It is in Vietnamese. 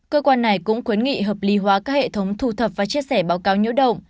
cơ quan này cũng khuyến nghị hợp lý hóa các hệ thống thu thập và chia sẻ báo cáo nhiễu động